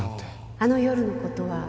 ・あの夜のことは